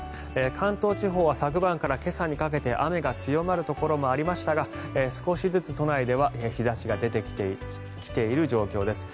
関東地方は昨晩から今朝にかけて雨が強まるところもありましたが少しずつ都内では日差しが出てきている状況です。